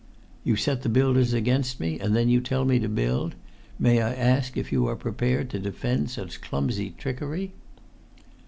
"You set the builders against me, and then you tell me to build. May I ask if you are prepared to defend such clumsy trickery?"